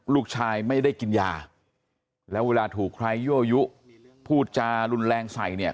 ลูกชายไม่ได้กินยาแล้วเวลาถูกใครยั่วยุพูดจารุนแรงใส่เนี่ย